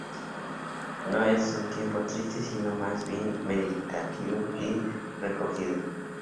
No es un tiempo triste, sino más bien meditativo y recogido.